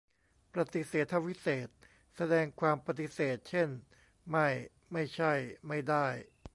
ประติเษธวิเศษณ์ แสดงความปฎิเสธ เช่น ไม่ ไม่ใช่ ไม่ได้